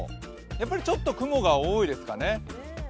やっぱりちょっと雲が多いですかね。